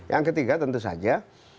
yang ketiga tentu saja